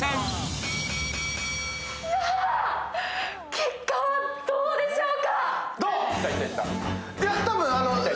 結果はどうでしょうか。